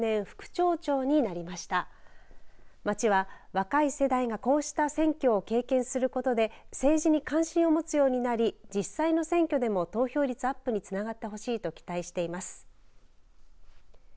町は若い世代がこうして選挙を経験することで政治に関心を持つようになり実際の選挙でも投票率アップにつながってほしいと期待しています。